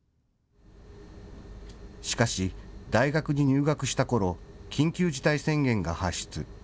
しかし大学に入学したころ、緊急事態宣言が発出。